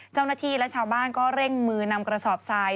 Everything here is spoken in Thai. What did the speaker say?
เจ้าหน้าที่และชาวบ้านก็เร่งมือนำกระสอบทราย